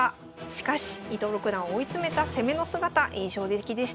しかし伊藤六段を追い詰めた攻めの姿印象的でした。